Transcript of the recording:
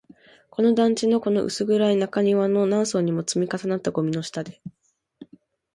この団地の、この薄暗い中庭の、何層にも積み重なったゴミの下で